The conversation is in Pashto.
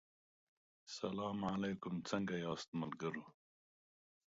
سلا علیکم څنګه یاست ملګرو